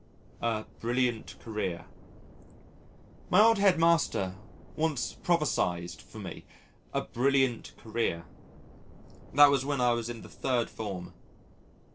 A "Brilliant Career" My old head master once prophesied for me "a brilliant career." That was when I was in the Third Form.